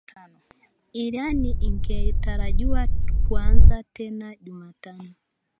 Iran ingetarajiwa kuanza tena Jumatano